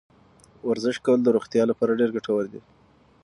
ورزش کول د روغتیا لپاره ډېر ګټور دی.